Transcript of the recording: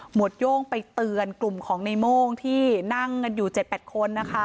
วดโย่งไปเตือนกลุ่มของในโม่งที่นั่งกันอยู่๗๘คนนะคะ